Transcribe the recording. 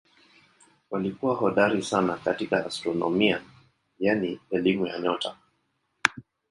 Walikuwa hodari sana katika astronomia yaani elimu ya nyota.